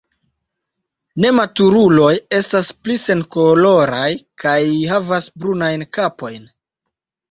Nematuruloj estas pli senkoloraj kaj havas brunajn kapojn.